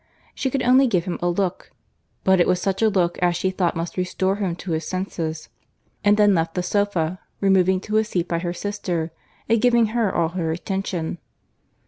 She could only give him a look; but it was such a look as she thought must restore him to his senses, and then left the sofa, removing to a seat by her sister, and giving her all her attention.